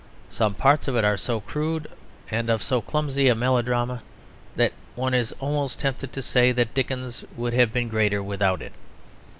Some parts of it are so crude and of so clumsy a melodrama, that one is almost tempted to say that Dickens would have been greater without it.